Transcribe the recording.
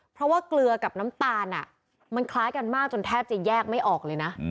เพราะว่าเกลือกับน้ำตาลมันคล้ายกันมากจนแทบจะแยกไม่ออกเลยนะ